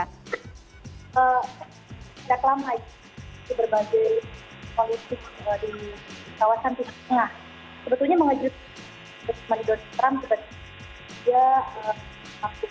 tidak lama lagi berbagi